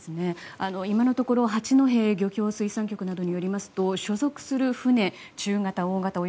今のところ八戸漁協水産局などによりますと所属する船、中型大型